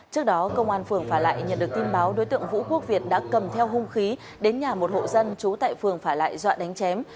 trước đó công an phường phả lại nhận được tin báo đối tượng vũ quốc việt đã cầm theo hung khí đến nhà một hộ dân trú tại phường phả lại dọa đánh chém